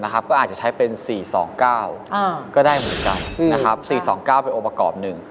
ก็อาจจะใช้เป็น๔๒๙ก็ได้เหมือนกัน๔๒๙เป็นองค์ประกอบหนึ่ง